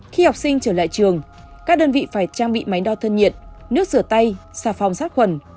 khi học sinh trở lại trường các đơn vị phải trang bị máy đo thân nhiệt nước rửa tay xà phòng sát khuẩn